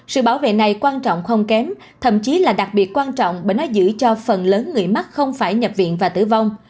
sự bảo vệ này quan trọng không kém thậm chí là đặc biệt quan trọng bởi nó giữ cho phần lớn người mắc không phải nhập viện và tử vong